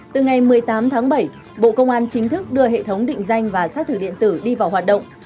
từ ngày một mươi tám tháng bảy bộ công an chính thức đưa hệ thống định danh và xác thử điện tử đi vào hoạt động